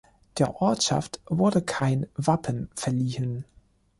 Der Ortschaft wurde kein Wappen verliehen.